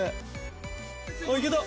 あっいけた。